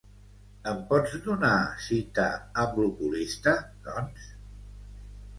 Em pots donar cita amb l'oculista, doncs?